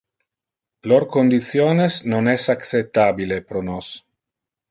Lor conditiones non es acceptabile pro nos.